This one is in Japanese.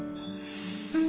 うん。